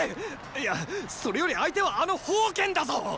いやそれより相手はあの煖だぞ！